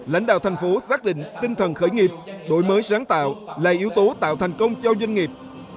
lãnh đạo thành phố xác định tinh thần khởi nghiệp đổi mới sáng tạo là yếu tố tạo thành công cho doanh nghiệp